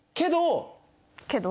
けど。